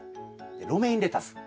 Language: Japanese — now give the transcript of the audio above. ロメインレタス。